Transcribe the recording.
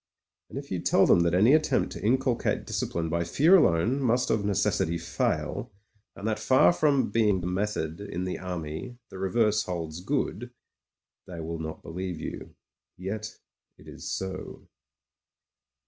And if you tell them that any attempt to inculcate discipline by fear alone must of necessity failj and that far from that being the method in the PRIVATE MEYRICK— COMPANY IDIOT 53 Army the reverse holds good, they will not believe you. Yet — ^it is so.